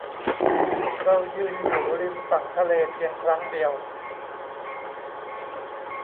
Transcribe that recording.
เรายืนอยู่ริมฝั่งทะเลเพียงครั้งเดียว